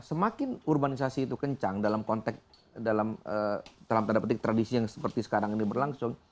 semakin urbanisasi itu kencang dalam konteks dalam tanda petik tradisi yang seperti sekarang ini berlangsung